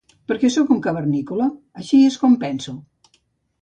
Perquè sóc un cavernícola, així és com penso.